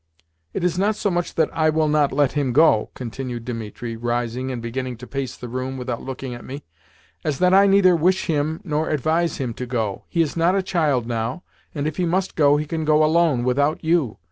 "It is not so much that I WILL NOT LET HIM go," continued Dimitri, rising and beginning to pace the room without looking at me, "as that I neither wish him nor advise him to go. He is not a child now, and if he must go he can go alone without you.